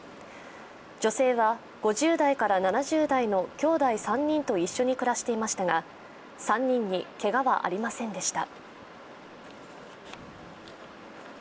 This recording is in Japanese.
女性は５０代から７０代のきょうだい３人と一緒に暮らしていましたが、３人にけがはありませんでした。